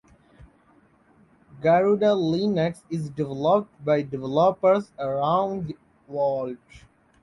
Garuda Linux is developed by developers around the world.